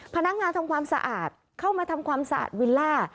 พนักงานทำความสะอาดเข้ามาทำความสะอาดวิลล่า